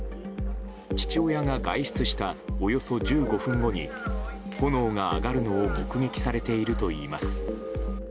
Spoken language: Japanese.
父親が外出したおよそ１５分後に炎が上がるのを目撃されているといいます。